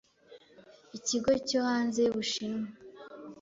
ikigo cyo hanze y'Ubushinwa